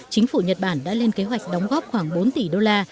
chính phủ nhật bản đã lên kế hoạch đóng góp khoảng bốn tỷ đô la